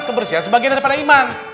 kebersihan sebagian daripada iman